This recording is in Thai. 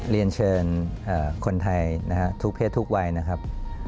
เรียนเชิญคนไทยทุกเพศทุกวัยนะครับ